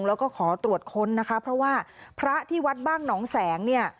แล้วก็ขอตรวจค้นนะคะเพราะว่าพระที่วัดบ้านหนองแสงเนี่ย